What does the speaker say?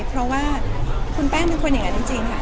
เพราะว่าคุณแป้งเป็นคนอย่างนั้นจริงค่ะ